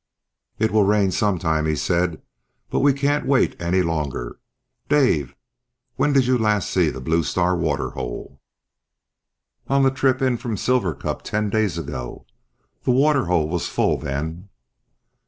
"It will rain some time," he said, "but we can't wait any longer. Dave, when did you last see the Blue Star waterhole?" "On the trip in from Silver Cup, ten days ago. The waterhole was full then."